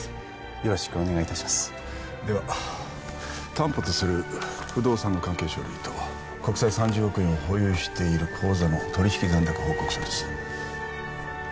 よろしくお願いいたしますでは担保とする不動産の関係書類と国債３０億円を保有している口座の取引残高報告書です